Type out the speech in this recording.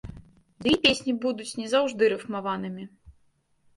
Ды і песні будуць не заўжды рыфмаванымі.